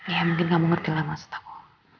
ya mungkin kamu ngerti lah maksud aku